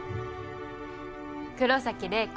黒崎麗子